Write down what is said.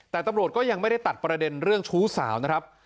แต่ตำรวจก็ยังไม่ได้ตัดประเด็นเรื่องชู้สาวนะครับ